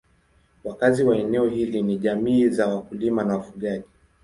Wakazi wa eneo hili ni jamii za wakulima na wafugaji.